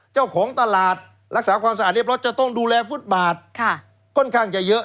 เจ้าของตลาดรักษาความสะอาดเรียบร้อยจะต้องดูแลฟุตบาทค่อนข้างจะเยอะ